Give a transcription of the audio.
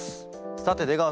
さて出川様